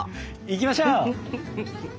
いきましょう！